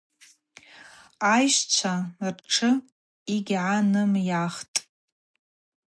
Айщчва ртшы йгьгӏанымйахтӏ.